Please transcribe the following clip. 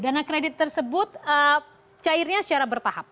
dana kredit tersebut cairnya secara bertahap